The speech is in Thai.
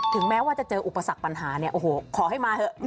ถึงแม้ว่าจะเจออุปสรรคปัญหาขอให้มาเถอะ